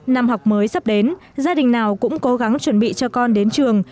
năm học mới sắp đến gia đình nào cũng cố gắng chuẩn bị cho con đến trường